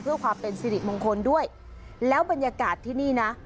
เพื่อความเป็นสิริมงคลด้วยแล้วบรรยากาศที่นี่นะ